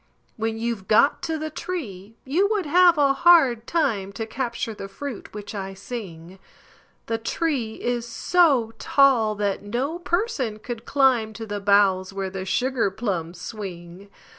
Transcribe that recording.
When you've got to the tree, you would have a hard time To capture the fruit which I sing; The tree is so tall that no person could climb To the boughs where the sugar plums swing!